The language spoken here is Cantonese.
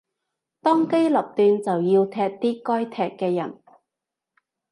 當機立斷就要踢啲該踢嘅人